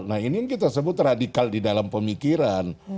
nah ini yang kita sebut radikal di dalam pemikiran